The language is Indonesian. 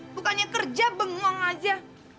bukannya kerja benguang aja